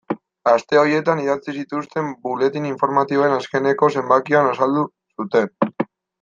Aste horietan idatzi zituzten buletin informatiboen azkeneko zenbakian azaldu zuten.